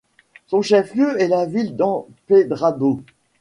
Son chef-lieu est la ville d'Empedrado.